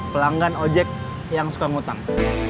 pelanggan ojek yang suka ngutang